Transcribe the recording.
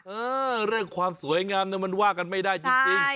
เออเรื่องความสวยงามนี่มันว่ากันไม่ได้จริง